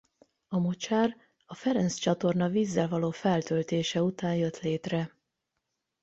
A mocsár a Ferenc-csatorna vízzel való feltöltése után jött létre.